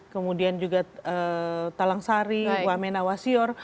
kemudian juga talang sari wamen awasyor